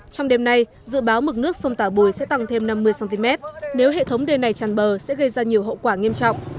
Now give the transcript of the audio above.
trong đêm nay dự báo mực nước sông tả bùi sẽ tăng thêm năm mươi cm nếu hệ thống đê này tràn bờ sẽ gây ra nhiều hậu quả nghiêm trọng